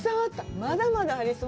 まだまだありそう。